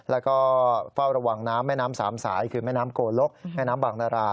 แล้วก็เฝ้าระวังน้ำแม่น้ำสามสายคือแม่น้ำโกลกแม่น้ำบางนารา